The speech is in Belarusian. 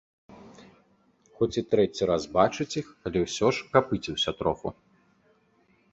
Хоць і трэці раз бачыць іх, але ўсё ж капыціўся троху.